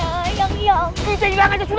ayo kita ke goa sekarang kita debur